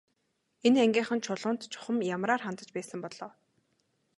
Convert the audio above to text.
Энэ ангийнхан Чулуунд чухам ямраар хандаж байсан бол оо.